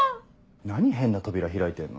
何変な扉開いてんの？